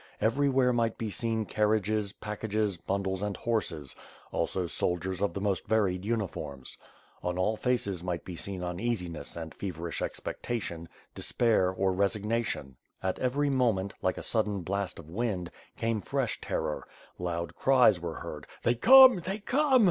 Everywhere might be seen carriages, packages, bundles and horses, also soldiers of the most varied uniforms. On all faces might be seen uneasiness and feverish expectation, despair or resignatio :. At every moment, like a sudden blast of wind, came fresh terror. Loud cries were heard; "they come! they come!"